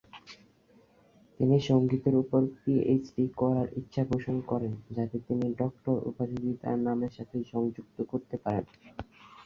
তিনি সংগীতের উপর পিএইচডি করার ইচ্ছা পোষণ করেন যাতে তিনি "ডক্টর" উপাধিটি তার নামের সাথে সংযুক্ত করতে পারেন।